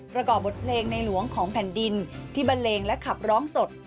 ประกอบบทเพลงในหลวงของแผ่นดินที่บันเลงและขับร้องสด